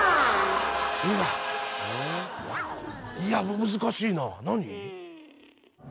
いや難しいな何？